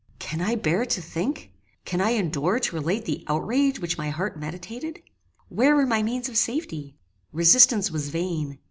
Can I bear to think can I endure to relate the outrage which my heart meditated? Where were my means of safety? Resistance was vain.